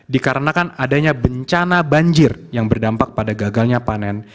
dikarenakan adanya bencana banjir yang berdampak pada gagalnya panen